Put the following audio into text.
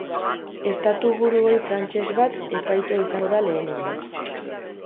Estatuburu ohi frantses bat epaitua izango da lehenengoz.